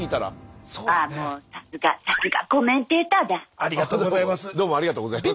ありがとうございます。